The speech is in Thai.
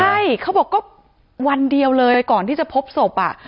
ใช่เขาบอกก็วันเดียวเลยก่อนที่จะพบศพอ่ะ